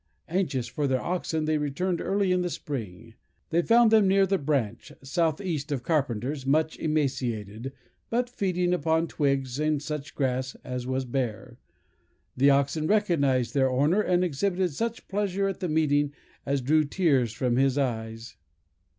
Anxious for their oxen, they returned early in the spring. They found them near the Branch, south east of Carpenter's, much emaciated, but feeding upon twigs and such grass as was bare. The oxen recognised their owner, and exhibited such pleasure at the meeting as drew tears from his eyes.